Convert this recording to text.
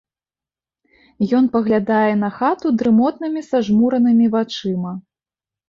Ён паглядае на хату дрымотнымі сажмуранымі вачыма.